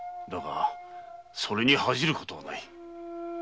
だがそれに恥じることはない。